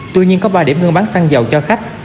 tuy nhiên có ba điểm mua bán xăng dầu cho khách